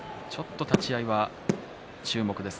立ち合い、注目です。